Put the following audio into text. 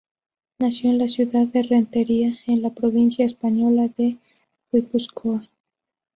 Nació en la ciudad de Rentería en la provincia española de Guipúzcoa.